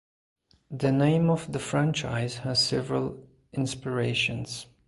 The name of the franchise has several inspirations.